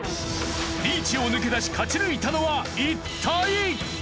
リーチを抜け出し勝ち抜いたのは一体！？